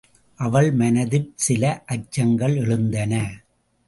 அவன் மனத்திற் சில அச்சங்கள் எழுந்தன.